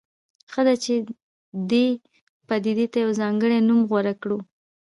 ښه ده چې دې پدیدې ته یو ځانګړی نوم غوره کړو.